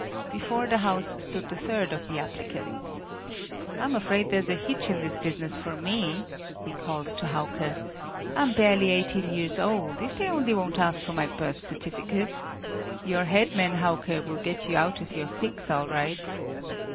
Before the house stood the third of the applicants. "I'm afraid there's a hitch in this business for me," he called to Hauke; "I'm barely eighteen years old; if they only won't ask for my birth certificate! Your head man, Hauke, will get you out of your fix, all right!"